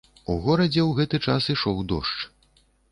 У горадзе ў гэты час ішоў дождж.